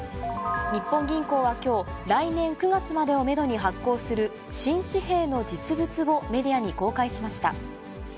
日本銀行はきょう、来年９月までをメドに発行する新紙幣の実物をメディアに公開しま